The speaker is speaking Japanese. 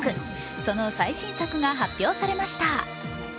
その最新作が発表されました。